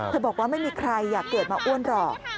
บอกว่าไม่มีใครอยากเกิดมาอ้วนหรอก